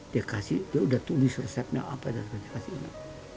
dia kasih dia udah tulis resepnya apa dan dia kasih ini